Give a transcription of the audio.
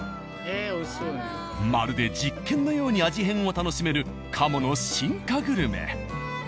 まるで実験のように味変を楽しめる鴨の進化グルメ。